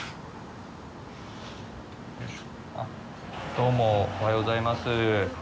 どうもおはようございます。